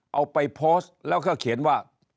เอาไปโพสต์แล้วก็เขียนว่า